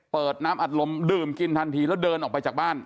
เปิดน้ำอัดลมดื่มกินทันทีแล้วเดินออกไปจากบ้าน